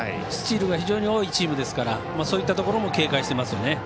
スチールが非常に多いチームですからそういったところも警戒していますね。